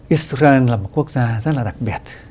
israel là một quốc gia rất là đặc biệt